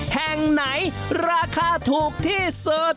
แห่งไหนราคาถูกที่สุด